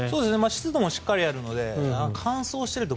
湿度もしっかりあるので乾燥していると